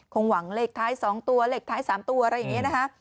คงหวังเหล็กท้ายสองตัวเหล็กท้ายสามตัวอะไรอย่างนี้นะฮะ